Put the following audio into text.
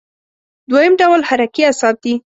دویم ډول حرکي اعصاب دي.